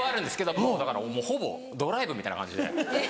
もうだからほぼドライブみたいな感じで。